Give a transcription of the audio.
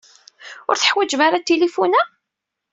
Ur teḥwajem ara tinfulin-a?